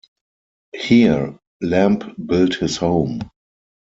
Here, Lamb built his home.